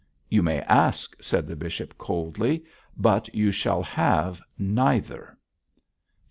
'You may ask,' said the bishop, coldly, 'but you shall have neither.'